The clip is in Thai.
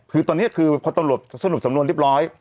คือตอนนี้คือพอตรงรถสมรวรรษเรียบร้อย